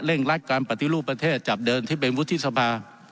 รักการปฏิรูปประเทศจากเดิมที่เป็นวุฒิสภา